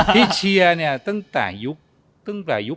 พี่เชียร์เนี่ยตั้งแต่ยุค๘๐นะ